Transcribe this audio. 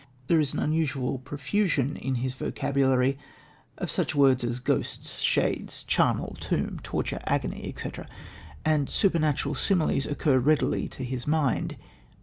There is an unusual profusion in his vocabulary of such words as ghosts, shades, charnel, tomb, torture, agony, etc., and supernatural similes occur readily to his mind.